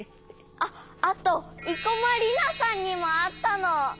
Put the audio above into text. あっあと生駒里奈さんにもあったの。